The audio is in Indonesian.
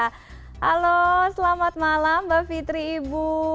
halo selamat malam mbak fitri ibu